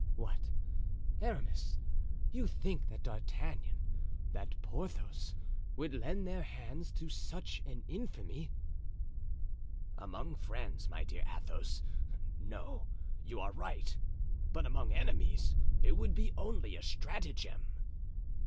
"What! Aramis, you think that D'Artagnan, that Porthos, would lend their hands to such an infamy?" "Among friends, my dear Athos, no, you are right; but among enemies it would be only a stratagem."